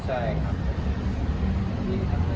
ใช่ครับ